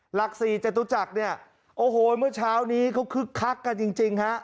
หลักสี่จตุจักรเนี่ยโอ้โหเมื่อเช้านี้เขาคึกคักกันจริงฮะ